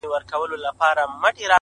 په يوه جـادو دي زمـــوږ زړونه خپل كړي.!